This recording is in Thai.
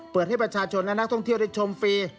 เปิดให้ประชาชนและนักท่องเที่ยวได้ชมฟรี